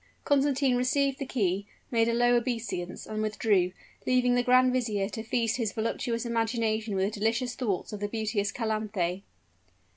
Constantine received the key, made a low obeisance, and withdrew, leaving the grand vizier to feast his voluptuous imagination with delicious thoughts of the beauteous Calanthe.